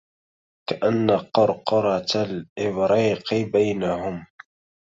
كأن قرقرة الإبريق بينهم